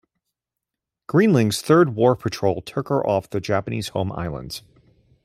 "Greenling"'s third war patrol took her off the Japanese home islands.